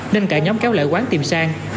nên cả nhóm kéo lại quán tìm sang